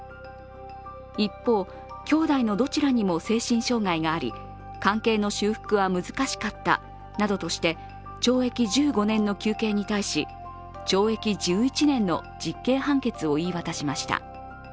一方、兄弟のどちらにも精神障害があり関係の修復は難しかったなどとして懲役１５年の求刑に対し、懲役１１年の実刑判決を言い渡しました。